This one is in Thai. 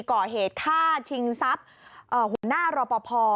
ก่อเหตุฆ่าชิงทรัพย์หัวหน้ารอปภ